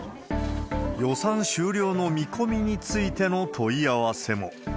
予算終了の見込みについての問い合わせも。